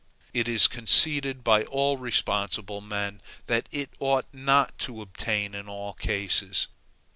It is conceded by all reasonable men that it ought not to obtain in all cases.